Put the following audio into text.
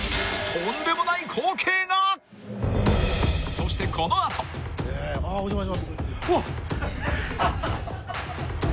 ［そしてこの後］あっお邪魔します。